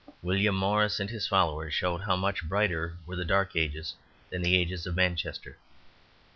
William Morris and his followers showed how much brighter were the dark ages than the age of Manchester.